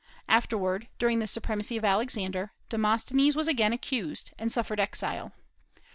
Afterward, during the supremacy of Alexander, Demosthenes was again accused, and suffered exile.